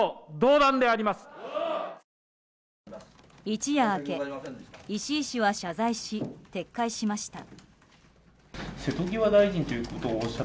一夜明け、石井氏は謝罪し撤回しました。